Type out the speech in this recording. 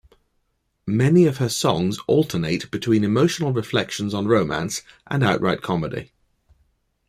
Many of her songs alternate between emotional reflections on romance and outright comedy.